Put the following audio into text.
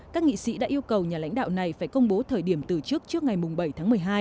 các nghị sĩ đã yêu cầu nhà lãnh đạo này phải công bố thời điểm từ trước trước ngày bảy tháng một mươi hai